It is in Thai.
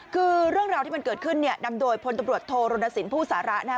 คือเรื่องราวที่มันเกิดขึ้นเนี่ยนำโดยพลตำรวจโทรณสินผู้สาระนะครับ